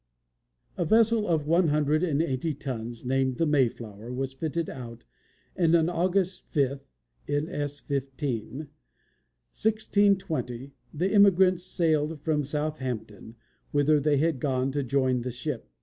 A vessel of one hundred and eighty tons, named the Mayflower, was fitted out, and, on August 5 (N. S. 15), 1620, the emigrants sailed from Southampton, whither they had gone to join the ship.